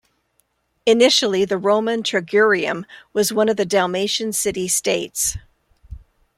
Initially the Roman Tragurium was one of the Dalmatian City-States.